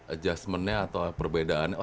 adjustmentnya atau perbedaan